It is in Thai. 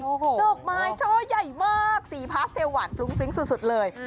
โจ๊กไม้ช่อใหญ่มากสีพักเทียวหวานฟรุ้งสุดเลย